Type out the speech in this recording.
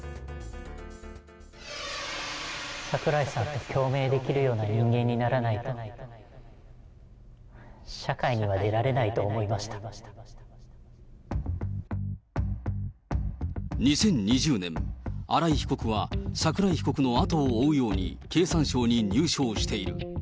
桜井さんと共鳴できるような人間にならないと、社会には出られな２０２０年、新井被告は桜井被告のあとを追うように、経産省に入省している。